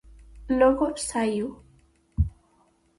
Logo saíu.